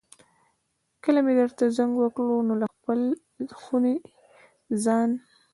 کله مې درته زنګ وکړ نو له خپلې خونې ځان.